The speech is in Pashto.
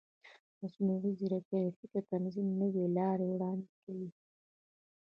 مصنوعي ځیرکتیا د فکر د تنظیم نوې لارې وړاندې کوي.